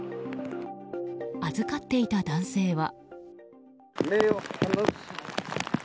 預かっていた男性は。